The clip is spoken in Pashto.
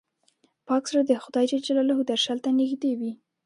پاک زړه د خدای درشل ته نږدې وي.